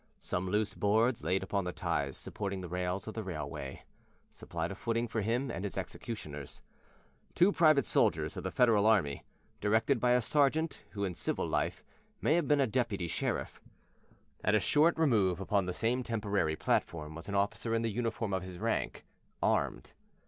Some loose boards laid upon the sleepers supporting the metals of the railway supplied a footing for him and his executioners two private soldiers of the Federal army, directed by a sergeant who in civil life may have been a deputy sheriff. At a short remove upon the same temporary platform was an officer in the uniform of his rank, armed.